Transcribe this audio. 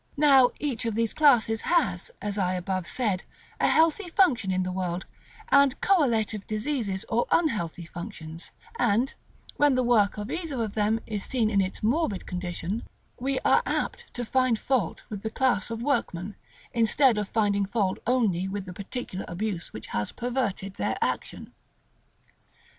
Now each of these classes has, as I above said, a healthy function in the world, and correlative diseases or unhealthy functions; and, when the work of either of them is seen in its morbid condition, we are apt to find fault with the class of workmen, instead of finding fault only with the particular abuse which has perverted their action.